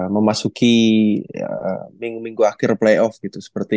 memasuki minggu minggu akhir playoff gitu